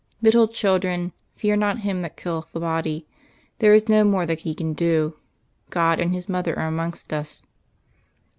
_ "Little children; fear not him that killeth the body. There is no more that he can do. God and His Mother are amongst us...."